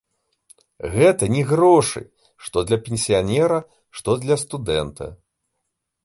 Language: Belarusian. Гэта не грошы, што для пенсіянера, што для студэнта.